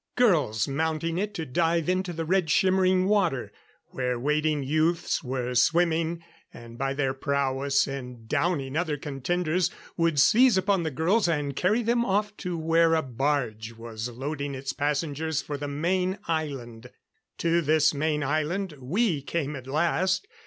Girls mounting it to dive into the red shimmering water, where waiting youths were swimming, and by their prowess in downing other contenders would seize upon the girls and carry them off to where a barge was loading its passengers for the main island. To this main island we came at last.